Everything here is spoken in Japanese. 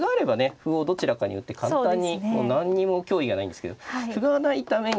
歩をどちらかに打って簡単に何にも脅威がないんですけど歩がないために。